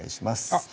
あっ